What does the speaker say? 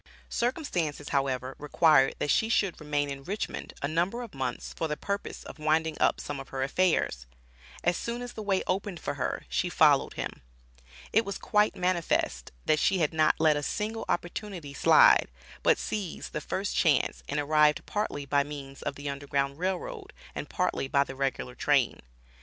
Circumstances, however, required that she should remain in Richmond a number of months for the purpose of winding up some of her affairs. As soon as the way opened for her, she followed him. It was quite manifest, that she had not let a single opportunity slide, but seized the first chance and arrived partly by means of the Underground Rail Road and partly by the regular train.